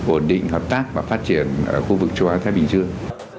ổn định hợp tác và phát triển ở khu vực châu á thái bình dương